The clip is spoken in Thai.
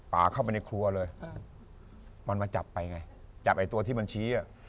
เข้าไปในครัวเลยมันมาจับไปไงจับไอ้ตัวที่มันชี้อ่ะ